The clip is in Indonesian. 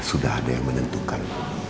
sudah ada yang menentukan